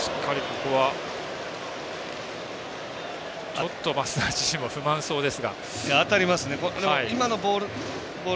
ちょっと益田自身も不満そうですが。